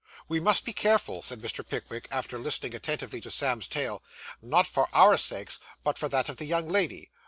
'We must be careful,' said Mr. Pickwick, after listening attentively to Sam's tale, 'not for our sakes, but for that of the young lady.